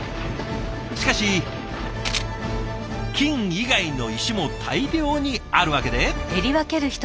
しかし金以外の石も大量にあるわけで。